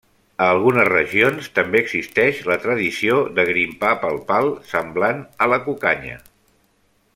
A algunes regions també existeix la tradició de grimpar pel pal, semblant a la cucanya.